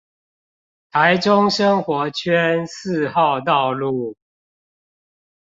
臺中生活圈四號道路